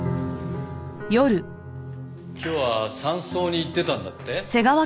今日は山荘に行ってたんだって？